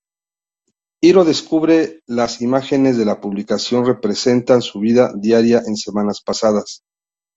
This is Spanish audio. Hiro descubre las imágenes de la publicación representan su vida diaria en semanas pasadas.